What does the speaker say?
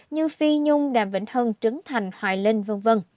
như phi nhung đàm vĩnh thân trấn thành hoài linh v v